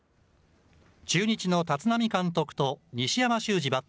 中日の立浪監督と西山秀二